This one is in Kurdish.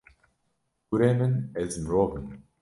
Kurê min, ez mirov im.